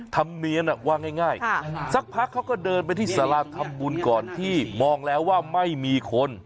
ธรรมเนียนว่าง่ายสักพักเขาก็เดินไปที่สาราทำบุญก่อนที่มองแล้วว่าไม่มีคน